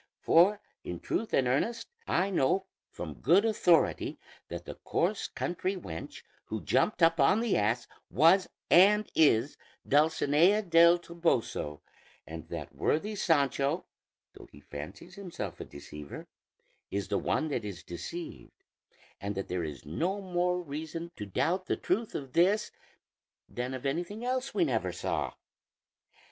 For in truth and earnest, I know from good authority that the coarse country wench who jumped up on the ass was and is Dulcinea del Toboso, and that worthy Sancho, though he fancies himself the deceiver, is the one that is deceived; and that there is no more reason to doubt the truth of this, than of anything else we never saw.